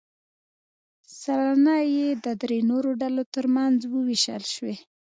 سلنه یې د درې نورو ډلو ترمنځ ووېشل شوې.